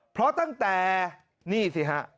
เพราะตั้งแต่นี่สิฮะ